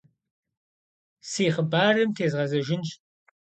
Си хъыбарым тезгъэзэжынщ.